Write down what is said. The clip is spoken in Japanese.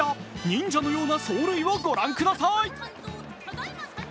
忍者のような走塁をご覧ください。